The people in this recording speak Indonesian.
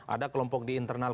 ada kelompok di internal